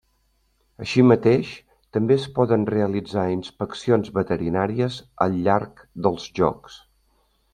Així mateix també es poden realitzar inspeccions veterinàries al llarg dels Jocs.